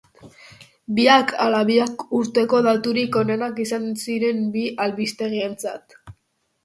Biak ala biak, urteko daturik onenak izan ziren bi albistegientzat.